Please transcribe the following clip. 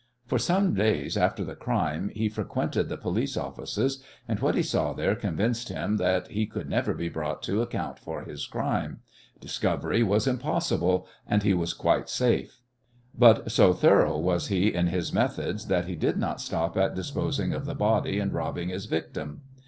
For some days after the crime he frequented the police offices, and what he saw there convinced him that he could never be brought to account for his crime. Discovery was impossible, and he was quite safe. But so thorough was he in his methods that he did not stop at disposing of the body and robbing his victim.